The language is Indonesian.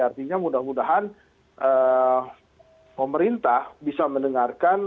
artinya mudah mudahan pemerintah bisa mendengarkan